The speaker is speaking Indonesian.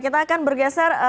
kita akan bergeser